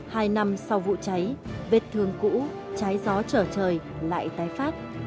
hai năm sau vụ cháy vết thương cũ trái gió trở trời lại tái phát